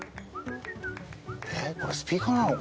えっこれスピーカーなの？